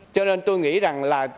cho nên tôi nghĩ rằng là